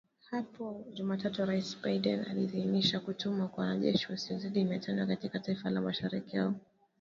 Hapo Jumatatu Rais Biden aliidhinisha kutumwa kwa wanajeshi wasiozidi mia tano katika taifa la Mashariki ili kuwa na idadi ndogo ya wanajeshi wa Marekani